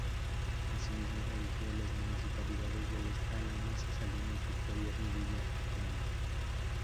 Asimismo, erigió las municipalidades de los Álamos, Salinas, Victoria y Villa Aldama.